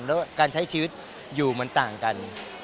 แล้วการใช้ชีวิตอยู่มันต่างกัน